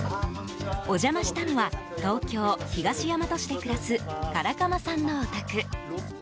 お邪魔したのは東京・東大和市で暮らす唐鎌さんのお宅。